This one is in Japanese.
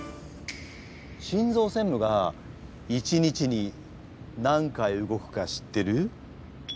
心ぞう専務が一日に何回動くか知ってる？